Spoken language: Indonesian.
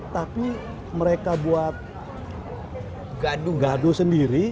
tapi mereka buat gaduh sendiri